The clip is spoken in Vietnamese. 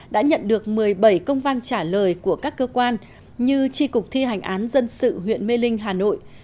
đã nhận được một mươi bảy công văn trả lời của các cơ quan như tri cục thi hành án dân sự huyện mê linh hà nội